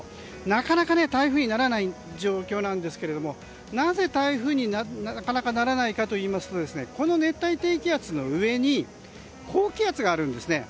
なかなか台風にならない状況なんですけれどもなぜ台風になかなかならないかといいますとこの熱帯低気圧の上に高気圧があるんですね。